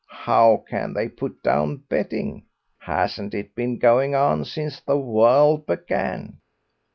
How can they put down betting? Hasn't it been going on since the world began?